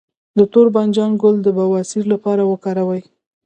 د تور بانجان ګل د بواسیر لپاره وکاروئ